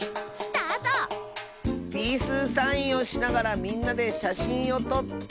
「ピースサインをしながらみんなでしゃしんをとった！」。